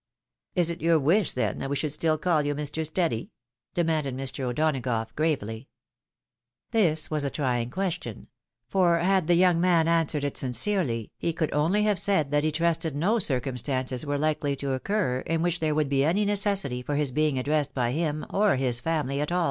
" Is it your wish, then, that we should stiU call you Mr. Steady ?" demanded Mr. O'Donagough, gravely. This was a trying question ; for had the young man answered it sincerely, he could only have said that he trusted no circum stances were likely to occur in which there would be any necessity for his being addressed by him or his family at aU.